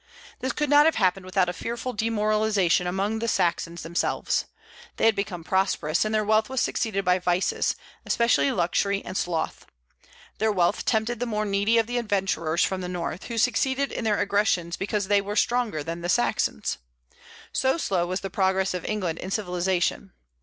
This could not have happened without a fearful demoralization among the Saxons themselves. They had become prosperous, and their wealth was succeeded by vices, especially luxury and sloth. Their wealth tempted the more needy of the adventurers from the North, who succeeded in their aggressions because they were stronger than the Saxons. So slow was the progress of England in civilization.